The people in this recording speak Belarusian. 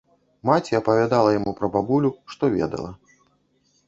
Маці апавядала яму пра бабулю, што ведала.